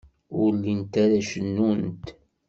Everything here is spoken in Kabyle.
Ur llint ara cennunt.